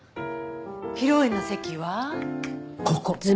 披露宴の席はここ。